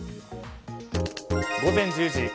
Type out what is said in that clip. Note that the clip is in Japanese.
午前１０時。